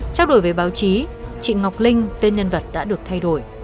trác đổi về báo chí chị ngọc linh tên nhân vật đã được thay đổi